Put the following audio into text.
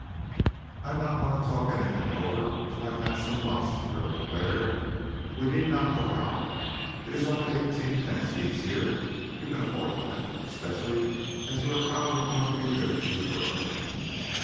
"I am not going to talk anything over until I have had some lunch," the girl declared. "We need not go out. It is only eighteenpence each here. You can afford that, especially as you are probably going to be rid of me forever."